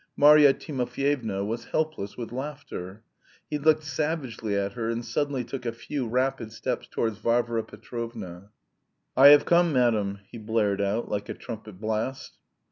Marya Timofyevna was helpless with laughter. He looked savagely at her and suddenly took a few rapid steps towards Varvara Petrovna. "I have come, madam..." he blared out like a trumpet blast.